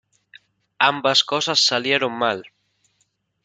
Ambas cosas salieron mal.